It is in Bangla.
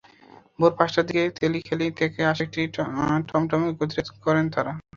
ভোর পাঁচটার দিকে তেলিখালী থেকে আসা একটি টমটমের গতিরোধ করেন তাঁরা।